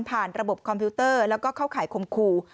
ระบบคอมพิวเตอร์แล้วก็เข้าข่ายคมคู่